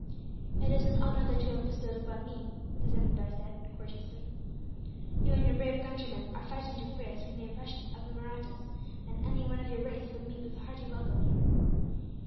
"It is an honour that you have bestowed upon me," the zemindar said, courteously. "You and your brave countrymen are fighting to free us from the oppression of the Mahrattas, and any one of your race would meet with a hearty welcome here."